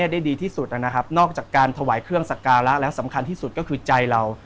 ได้ดีที่สุดนะครับนอกจากการถวายเครื่องสักการะแล้วสำคัญที่สุดก็คือใจเรา